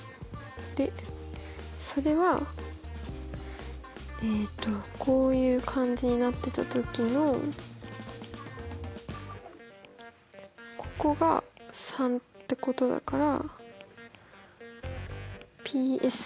でそれはえとこういう感じになってたときのここが３ってことだから。